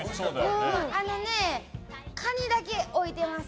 あのね、カニだけ置いてます。